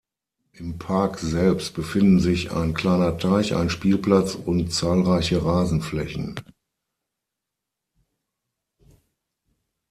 Im Park selbst befinden sich ein kleiner Teich, ein Spielplatz und zahlreiche Rasenflächen.